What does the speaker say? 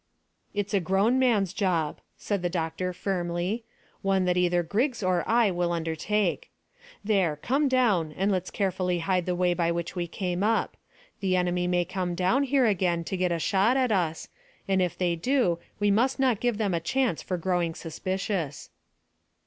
"It's a grown man's job," said the doctor firmly, "one that either Griggs or I will undertake. There, come down, and let's carefully hide the way by which we came up. The enemy may come here again to get a shot at us, and if they do we must not give them a chance for growing suspicious."